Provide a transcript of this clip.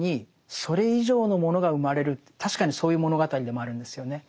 確かにそういう物語でもあるんですよね。